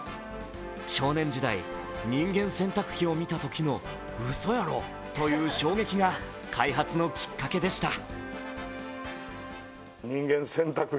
少年時代、人間洗濯機を見たときのうそやろ、という衝撃が開発のきっかけでした。